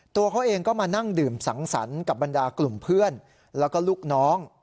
ตัวเขาเองก็มานั่งดื่มสังสรรค์กับบรรดากลุ่มเพื่อนแล้วก็ลูกน้อง